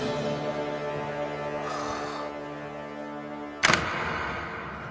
はあ？